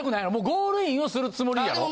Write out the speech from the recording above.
ゴールインをするつもりやろ？